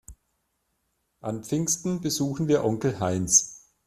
An Pfingsten besuchen wir Onkel Heinz.